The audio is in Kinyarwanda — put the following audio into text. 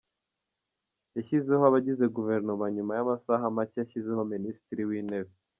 Yashyizeho abagize Guverinoma nyuma y’amasaha make ashyizeho Minisitiri w’Intebe, Dr.